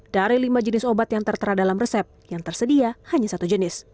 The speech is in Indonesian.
dari lima jenis obat yang tertera dalam resep yang tersedia hanya satu jenis